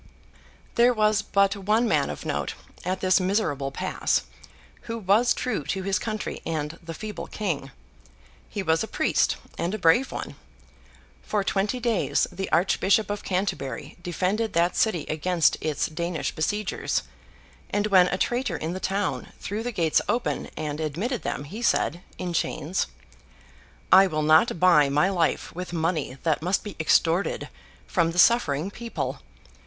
There was but one man of note, at this miserable pass, who was true to his country and the feeble King. He was a priest, and a brave one. For twenty days, the Archbishop of Canterbury defended that city against its Danish besiegers; and when a traitor in the town threw the gates open and admitted them, he said, in chains, 'I will not buy my life with money that must be extorted from the suffering people.